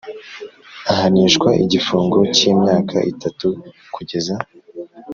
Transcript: Ahanishwa igifungo cy imyaka itatu kugeza